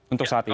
untuk saat ini